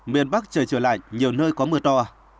miền bắc trời trở lạnh nhiều nơi có mưa to